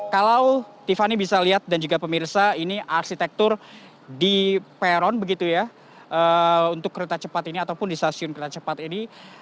kalau tiffany bisa lihat dan juga pemirsa ini arsitektur di peron begitu ya untuk kereta cepat ini ataupun di stasiun kereta cepat ini